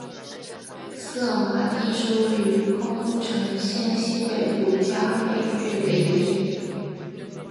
色麻町是位于宫城县西北部加美郡的一町。